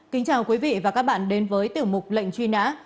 kính chào quý vị và các bạn đến với tiểu mục lệnh truy nã